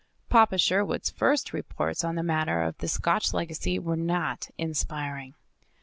Papa Sherwood's first reports on the matter of the Scotch legacy were not inspiring.